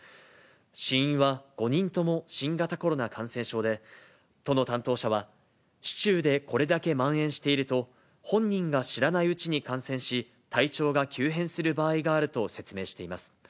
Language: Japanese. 死因は５人とも新型コロナ感染症で、都の担当者は、市中でこれだけまん延していると、本人が知らないうちに感染し、体調が急変する場合があると説明しています。